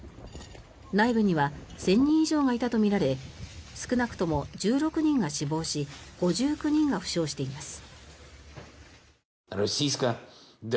内部には１０００人以上がいたとみられ少なくとも１６人が死亡し５９人が負傷しています。